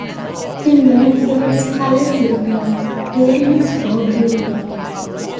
The male bird's color signals readiness for breeding.